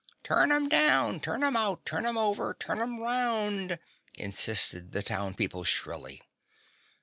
"Turn 'em down! Turn 'em out! Turn 'em over! Turn 'em round!" insisted the townsmen shrilly.